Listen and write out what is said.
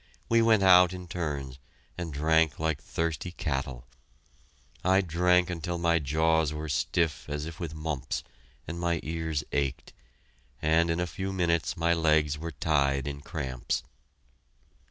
We went out in turns and drank like thirsty cattle. I drank until my jaws were stiff as if with mumps, and my ears ached, and in a few minutes my legs were tied in cramps.